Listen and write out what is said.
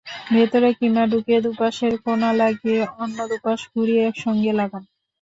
ভেতরে কিমা ঢুকিয়ে দুপাশের কোনা লাগিয়ে অন্য দুপাশ ঘুরিয়ে একসঙ্গে লাগান।